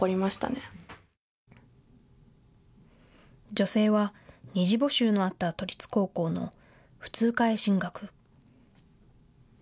女性は２次募集のあった都立高校の普通科へ進学。